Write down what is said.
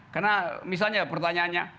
karena misalnya pertanyaannya